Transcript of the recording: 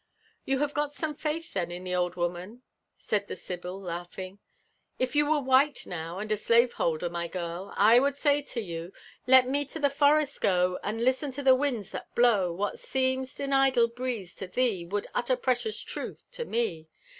'*'* Ypu Iiave got some faith, then, in the old woman?" said thesybyl» laughing^ If you were white, now* imd a slave bolder, my girl> I would My l9 you ^ Let me to the forest go, Ami listen to tbe winds that blow : What seems an idle breeze to thee Would utter precious truth to me